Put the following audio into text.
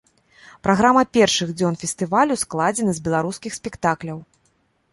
Праграма першых дзён фестывалю складзена з беларускіх спектакляў.